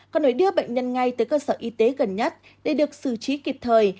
còn phải đưa bệnh nhân ngay tới cơ sở y tế gần nhất để được xử trí kịp thời